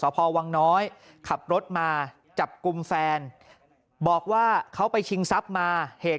พอวังน้อยขับรถมาจับกลุ่มแฟนบอกว่าเขาไปชิงทรัพย์มาเหตุ